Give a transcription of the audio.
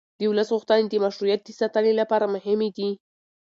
د ولس غوښتنې د مشروعیت د ساتنې لپاره مهمې دي